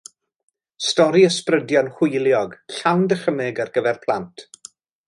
Stori ysbrydion hwyliog, llawn dychymyg ar gyfer plant.